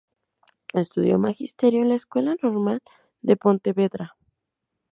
Estudió Magisterio en la Escuela Normal de Pontevedra.